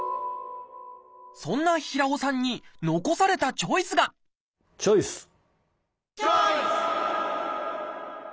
そんな平尾さんに残されたチョイスがチョイス！